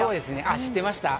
知ってましたか？